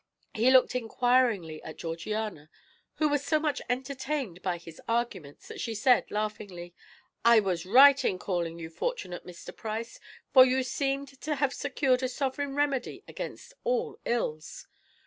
He looked inquiringly at Georgiana, who was so much entertained by his arguments that she said, laughingly: "I was right in calling you fortunate, Mr. Price, for you seemed to have secured a sovereign remedy against all ills.